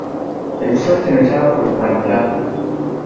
Ekiswa kino kyafuluka dda.